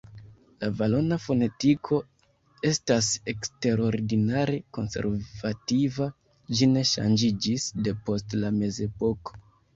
La valona fonetiko estas eksterordinare konservativa: ĝi ne ŝanĝiĝis depost la Mezepoko.